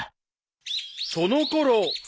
［そのころ］